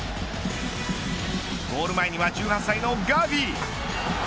ゴール前には１８歳のガヴィ。